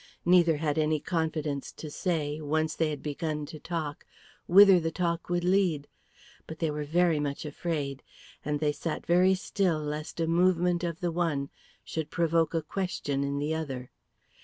Neither had any confidence to say, once they had begun to talk, whither the talk would lead; but they were very much afraid, and they sat very still lest a movement of the one should provoke a question in the other.